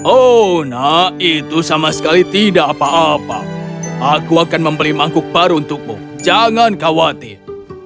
oh nak itu sama sekali tidak apa apa aku akan membeli mangkuk baru untukmu jangan khawatir